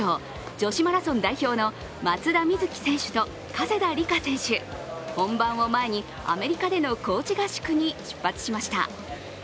女子マラソン代表の松田瑞生選手と加世田梨花選手本番を前にアメリカでの高地合宿に出発しました。